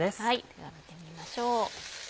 では見てみましょう。